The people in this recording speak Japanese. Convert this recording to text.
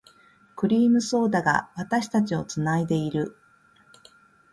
クリームソーダが、私たちを繋いでいる。